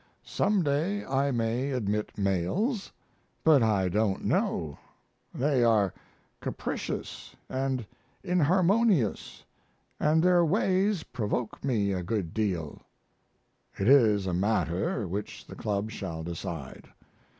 Some day I may admit males, but I don't know they are capricious & inharmonious, & their ways provoke me a good deal. It is a matter, which the club shall decide.